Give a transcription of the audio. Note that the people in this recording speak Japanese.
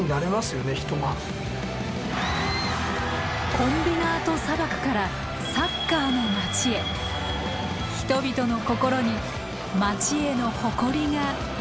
「コンビナート砂漠」から「サッカーの町」へ人々の心に町への誇りが生まれていった。